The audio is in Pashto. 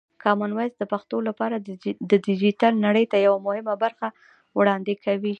کامن وایس د پښتو لپاره د ډیجیټل نړۍ ته یوه مهمه برخه وړاندې کوي.